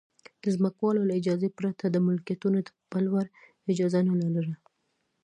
د ځمکوالو له اجازې پرته د ملکیتونو د پلور اجازه نه لرله